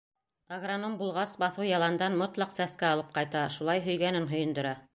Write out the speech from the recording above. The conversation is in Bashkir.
Агроном булғас, баҫыу-яландан мотлаҡ сәскә алып ҡайта, шулай һөйгәнен һөйөндөрә.